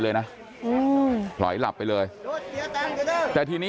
เพื่อนบ้านเจ้าหน้าที่อำรวจกู้ภัย